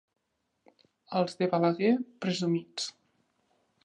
Els de Balaguer, presumits.